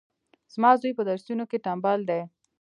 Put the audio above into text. زما زوی پهدرسونو کي ټمبل دی